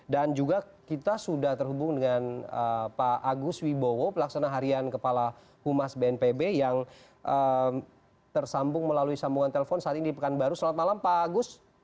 dan juga kita sudah terhubung dengan pak agus wibowo pelaksana harian kepala humas bnpb yang tersambung melalui sambungan telepon saat ini di pekanbaru selamat malam pak agus